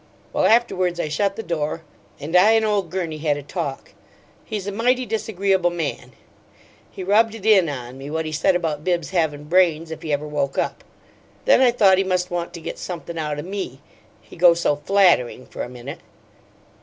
Well, afterwards, I shut the door, and I an' ole Gurney had a talk. He's a mighty disagreeable man; he rubbed it in on me what he said about Bibbs havin' brains if he ever woke up. Then I thought he must want to get something out o' me, he got so flattering for a minute!